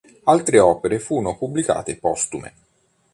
Altre opere furono pubblicate postume.